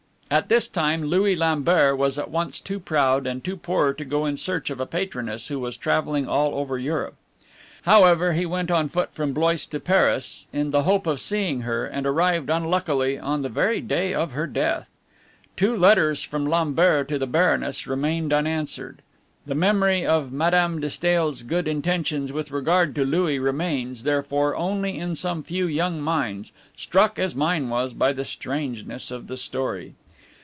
At this time Louis Lambert was at once too proud and too poor to go in search of a patroness who was traveling all over Europe. However, he went on foot from Blois to Paris in the hope of seeing her, and arrived, unluckily, on the very day of her death. Two letters from Lambert to the Baroness remained unanswered. The memory of Madame de Stael's good intentions with regard to Louis remains, therefore, only in some few young minds, struck, as mine was, by the strangeness of the story.